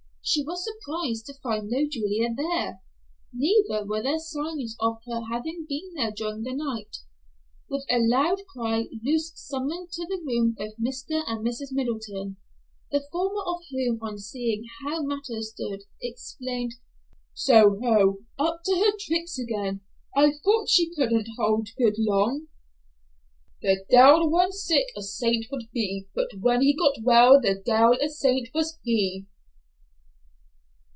She was surprised to find no Julia there, neither were there signs of her having been there during the night. With a loud cry Luce summoned to the room both Mr. and Mrs. Middleton, the former of whom on seeing how matters stood, exclaimed, "So ho! Up to her tricks again. I thought she couldn't hold good long." "'The de'il when sick, a saint would be, But when he got well, the de'il a saint was he.